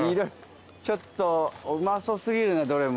ちょっとうまそう過ぎるなどれも。